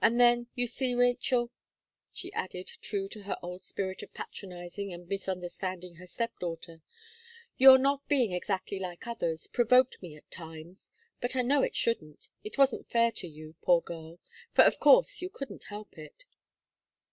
And then, you see, Rachel," she added, true to her old spirit of patronizing and misunderstanding her step daughter, "Your not being exactly like others provoked me at times; but I know it shouldn't it wasn't fair to you, poor girl! for of course you couldn't help it."